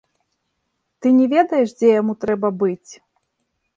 Ты не ведаеш, дзе яму трэба быць?